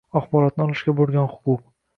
axborotni olishga bo‘lgan huquq